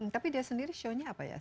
tapi dia sendiri shownya apa ya